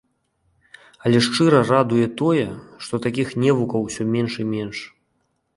Але шчыра радуе тое, што такіх невукаў усё менш і менш.